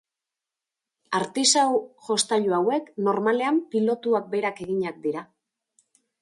Artisau-jostailu hauek normalean pilotuak berak eginak dira.